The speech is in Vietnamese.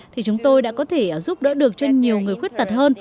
thì chúng tôi đã có thể giúp đỡ được cho nhiều người khuyết tật hơn